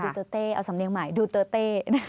เตอร์เต้เอาสำเนียงใหม่ดูเตอร์เต้